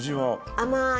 甘い。